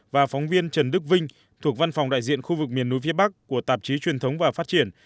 và phóng viên trần đức vinh thuộc văn phòng đại diện khu vực miền núi phía bắc của tạp chí truyền thống và phát triển